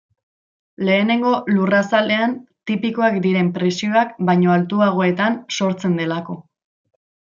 Lehenengo lurrazalean tipikoak diren presioak baino altuagoetan sortzen delako.